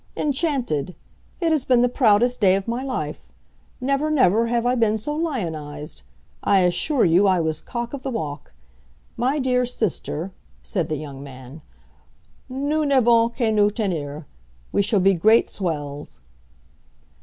"Enchanted. It has been the proudest day of my life. Never, never have I been so lionized! I assure you, I was cock of the walk. My dear sister," said the young man, "nous n'avons qu'à nous tenir; we shall be great swells!"